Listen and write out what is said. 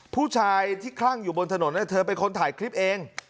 ผู้ชายที่คลั่งอยู่บนถนนเธอเป็นคนถ่ายคลิปเอง